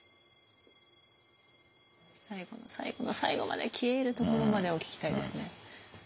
最後の最後の最後まで消え入るところまでを聞きたいですね。